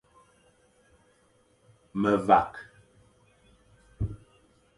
Ma vak.